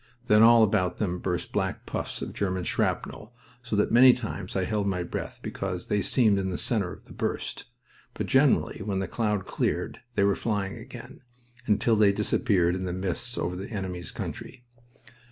Then all about them burst black puffs of German shrapnel, so that many times I held my breath because they seemed in the center of the burst. But generally when the cloud cleared they were flying again, until they disappeared in the mists over the enemy's country.